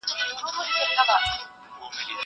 زه اوږده وخت ښوونځی ځم.